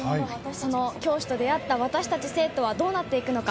その教師と出会った私たち生徒はどうなっていくのか。